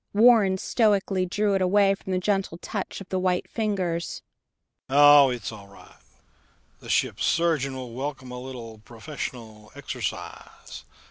Warren stoically drew it away from the gentle touch of the white fingers. "Oh, it's all right. The ship's surgeon will welcome a little professional exercise.